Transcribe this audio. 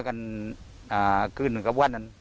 ขน๕การคืนกันครับว่านี้